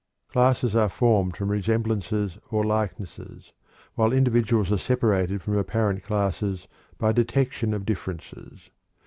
Classes are formed from resemblances or likenesses, while individuals are separated from apparent classes by detection of differences.